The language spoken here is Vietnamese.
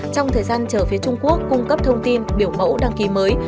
trong thời gian chờ phía trung quốc cung cấp thông tin biểu mẫu đăng ký mới